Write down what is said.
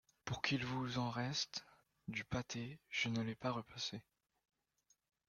Pour qu’il vous en reste, du pâté, je ne l’ai pas repassé !